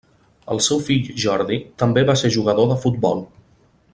El seu fill Jordi també va ser jugador de futbol.